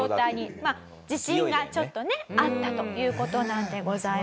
まあ自信がちょっとねあったという事なんでございます。